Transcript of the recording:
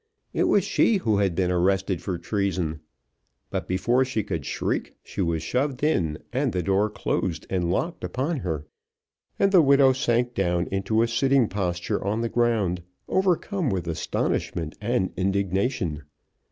It was she who had been arrested for treason. But before she could shriek she was shoved in, and the door closed and locked upon her; and the widow sank down into a sitting posture on the ground, overcome with astonishment and indignation.